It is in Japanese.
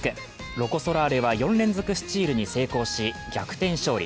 ロコ・ソラーレは４連続スチールに成功し逆転勝利。